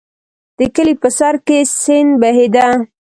د کلي په سر کې سیند بهېده.